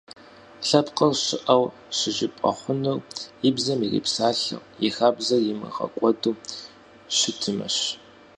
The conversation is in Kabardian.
Лъэпкъыр щыӀэу щыжыпӀэ хъунур и бзэм ирипсалъэу, и хабзэр имыгъэкӀуэду щытымэщ.